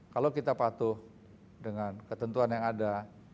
kalau kita patuh dengan ketentuan yang ada